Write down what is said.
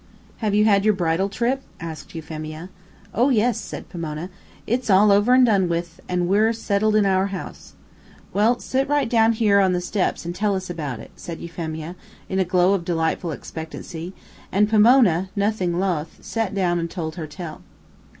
"Have you had your bridal trip?" asked Euphemia. "Oh yes!" said Pomona. "It's all over an' done with, an' we're settled in our house." "Well, sit right down here on the steps and tell us all about it," said Euphemia, in a glow of delightful expectancy, and Pomona, nothing loth, sat down and told her tale.